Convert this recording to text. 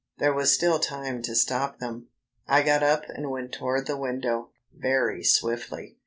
There was still time to stop them. I got up and went toward the window, very swiftly.